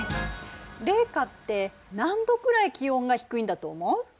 冷夏って何℃くらい気温が低いんだと思う？